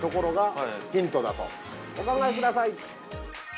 お考えください。